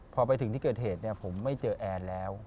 พอไปถึงที่เกิดเหตุผมไม่เจอแอนแล้ว